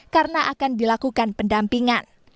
karena akan dilakukan pendampingan